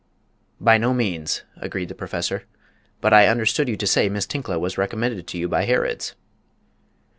"By no means," agreed the Professor; "but I understood you to say Miss Tinkla was recommended to you by Harrod's?"